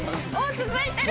続いてる！